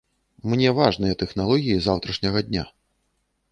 Мне важныя тэхналогіі заўтрашняга дня.